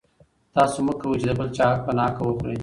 تاسو مه کوئ چې د بل چا حق په ناحقه وخورئ.